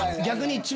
逆に。